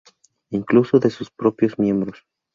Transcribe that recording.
Incluso de sus propios miembros.